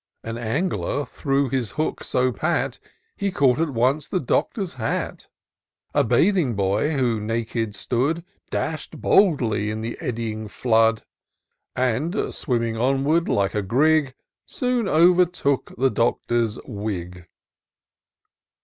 An angler threw his hook so pat. He caught at once the Doctor's hat ; A bathing boy, who naked stood, Dash'd boldly in the eddying flood. And, swimming onward like a grig. Soon overtook the Doctor's wig.